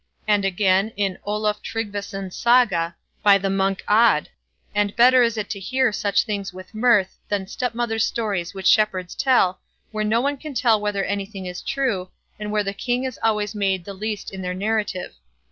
And again, in Olof Tryggvason's Saga by the monk Odd: "And better is it to hear such things with mirth than stepmother's stories which shepherds tell, where no one can tell whether anything is true, and where the king is always made the least in their narrative."